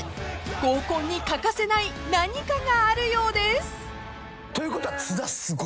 ［合コンに欠かせない何かがあるようです］ということは津田すごい。